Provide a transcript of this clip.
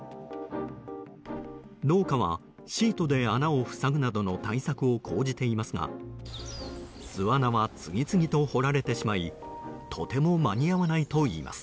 農家はシートで穴を塞ぐなどの対策を講じていますが巣穴は次々と掘られてしまいとても間に合わないといいます。